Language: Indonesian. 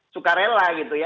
suka rela gitu ya